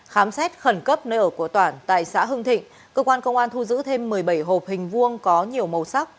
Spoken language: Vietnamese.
khám xét khẩn cấp nơi ở của toản tại xã hưng thịnh cơ quan công an thu giữ thêm một mươi bảy hộp hình vuông có nhiều màu sắc